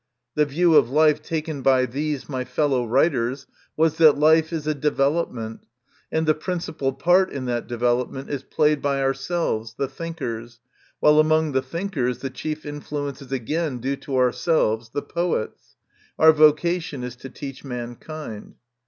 The view of life taken 12 MY CONFESSION. by these, my fellow writers, was that life is a development, and the principal part in that development is played by ourselves, the thinkers, while among the thinkers the chief influence is again due to ourselves, the poets. Our vocation is to teach mankind.